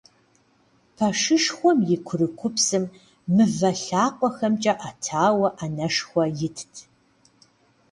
Пэшышхуэм и курыкупсым мывэ лъакъуэхэмкӀэ Ӏэтауэ Ӏэнэшхуэ итт.